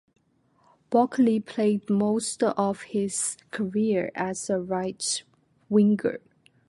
Boccoli played most of his career as a right winger.